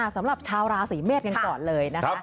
สำหรับชาวราศีเมษกันก่อนเลยนะคะ